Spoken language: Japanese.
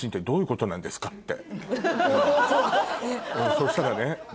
そしたらね。